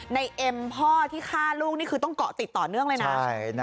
เอ็มพ่อที่ฆ่าลูกนี่คือต้องเกาะติดต่อเนื่องเลยนะ